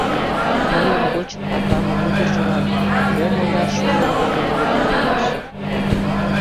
Мыйын гоч акамын ӱдыржылан мом ойлаш шонен толын улыда улмаш?